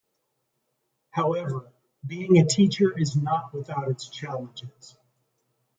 However, being a teacher is not without its challenges.